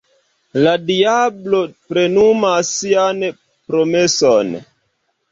La diablo plenumas sian promeson.